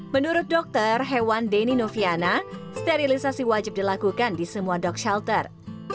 menurut dokter hewan denny noviana sterilisasi wajib dilakukan di semua dok shelter